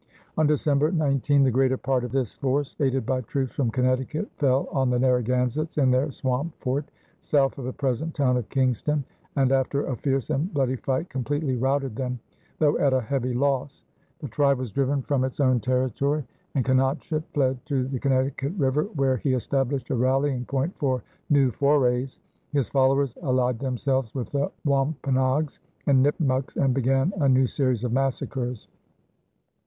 On December 19, the greater part of this force, aided by troops from Connecticut, fell on the Narragansetts in their swamp fort, south of the present town of Kingston, and after a fierce and bloody fight completely routed them, though at a heavy loss. The tribe was driven from its own territory, and Canonchet fled to the Connecticut River, where he established a rallying point for new forays. His followers allied themselves with the Wampanoags and Nipmucks and began a new series of massacres.